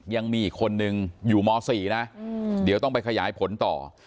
ยังมีอีกคนนึงอยู่ม๔นะเดี๋ยวต้องไปขยายผลต่อ